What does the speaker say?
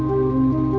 tidak ada yang tahu